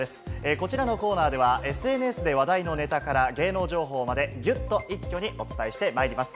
こちらのコーナーでは、ＳＮＳで話題のネタから芸能情報まで、ぎゅっと一挙にお伝えしてまいります。